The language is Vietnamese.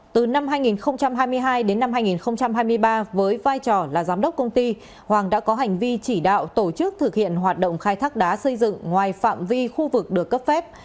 từ năm hai nghìn hai mươi hai đến năm hai nghìn hai mươi ba với vai trò là giám đốc công ty hoàng đã có hành vi chỉ đạo tổ chức thực hiện hoạt động khai thác đá xây dựng ngoài phạm vi khu vực được cấp phép